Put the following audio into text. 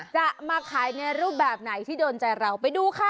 จะมาขายในรูปแบบไหนที่โดนใจเราไปดูค่ะ